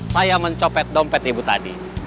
saya mencopet dompet ibu tadi